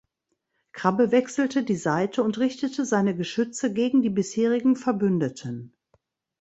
Krabbe wechselte die Seite und richtete seine Geschütze gegen die bisherigen Verbündeten.